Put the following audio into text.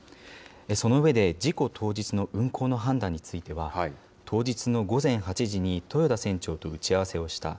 その上で、事故当日の運航の判断については、当日の午前８時に豊田船長と打ち合わせをした。